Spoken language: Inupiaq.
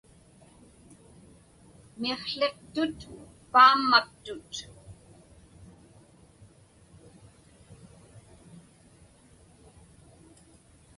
Miqłiqtut paammaktut.